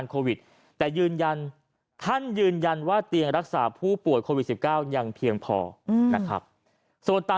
ก็ยังยืนยันนะครับว่า